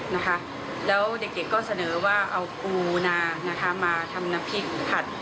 แล้วเด็กก็เสนอว่าเอาปูนามาทำนาพิกผัด